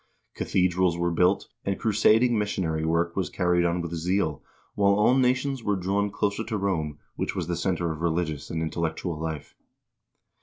Cathedrals were built, and crusading missionary work was carried on with zeal, while all nations were drawn closer to Rome, which was the center of religious and intellectual life.